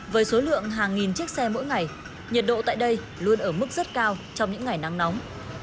với số lượng hàng nghìn chiếc xe mỗi ngày nhiệt độ tại đây luôn ở mức rất cao trong những ngày nắng nóng